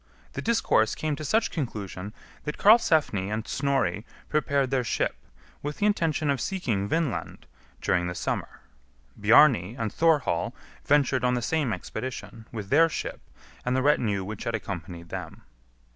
The discourse came to such conclusion that Karlsefni and Snorri prepared their ship, with the intention of seeking Vinland during the summer. Bjarni and Thorhall ventured on the same expedition, with their ship and the retinue which had accompanied them.